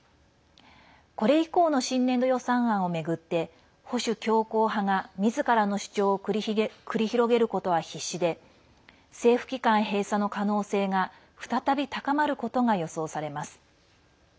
これ以降の新年度予算案を巡って保守強硬派が、みずからの主張を繰り広げることは必死で政府機関閉鎖の可能性が再び高まることが予想されます。